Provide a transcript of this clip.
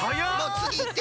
つぎいってるよ。